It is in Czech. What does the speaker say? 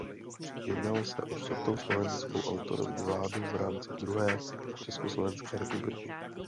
Jednalo se o čtvrtou slovenskou autonomní vládu v rámci druhé československé republiky.